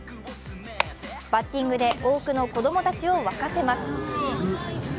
バッティングで多くの子供たちを沸かせます。